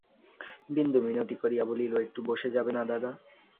বিন্দু মিনতি করিয়া বলিল, একটু বসে যাবে না দাদা?